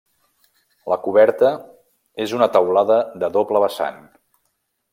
La coberta és una teulada de doble vessant.